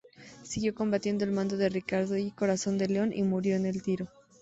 Siguió combatiendo al mando de Ricardo I Corazón de León y murió en Tiro.